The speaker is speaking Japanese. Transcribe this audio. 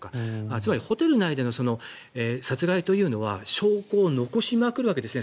つまりホテル内での殺害というのは証拠を残しまくるわけですね。